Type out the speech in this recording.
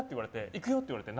行くよって言われて。